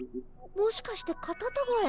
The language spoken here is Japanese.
もしかしてカタタガエ？